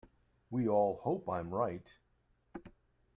We all hope I am right.